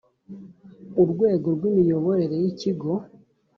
urwego rw’imiyoborere y’ikigo